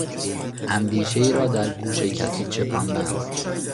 اندیشهای را در گوش کسی چپاندن